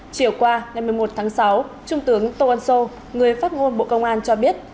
chiều qua ngày một mươi một tháng sáu trung tướng tô ân sô người phát ngôn bộ công an cho biết